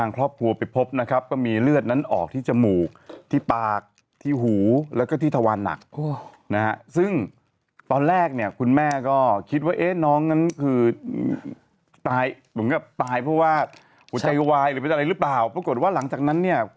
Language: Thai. กลับมาเจอกัน๖โมง๒นาที